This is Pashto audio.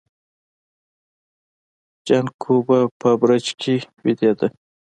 جانکو به په برج کې ويدېده.